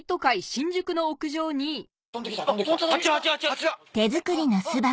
新宿の屋上にえ！